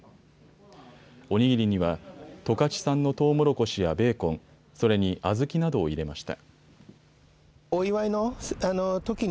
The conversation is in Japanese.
お握りには十勝産のトウモロコシやベーコン、それに小豆などを入れました。